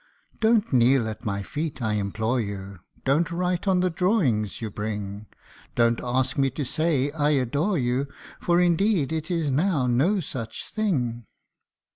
Don't kneel at my feet, I implore you ; Don't write on the drawings you bring ; Don't ask me to say, " I adore you," For, indeed, it is now no such thing.